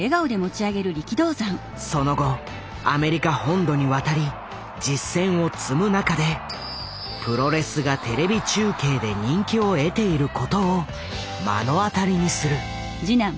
その後アメリカ本土に渡り実戦を積む中でプロレスが「テレビ中継」で人気を得ていることを目の当たりにする。